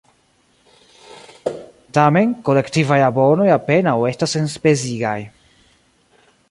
Tamen, kolektivaj abonoj apenaŭ estas enspezigaj.